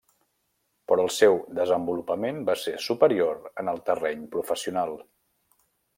Però el seu desenvolupament va ser superior en el terreny professional.